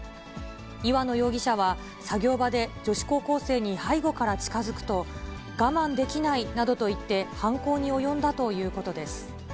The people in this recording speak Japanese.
岩野容疑者は、作業場で、女子高校生に背後から近づくと、我慢できないなどと言って、犯行に及んだということです。